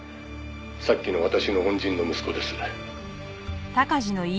「さっきの私の恩人の息子です」